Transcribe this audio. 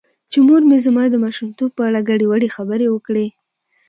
چې مور مې زما د ماشومتوب په اړه ګډې وګډې خبرې وکړې .